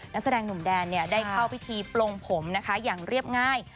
นักแสดงหนุ่มแดนได้เข้าพิธีปลงผมนะคะอย่างเรียบง่าย